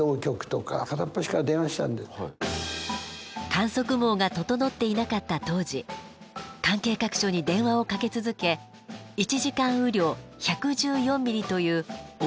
観測網が整っていなかった当時関係各所に電話をかけ続け「１時間雨量１１４ｍｍ」という大雨の情報を得ました。